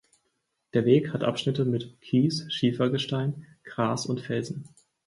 Der Weg hat Abschnitte mit Kies, Schiefergestein, Gras und Felsen.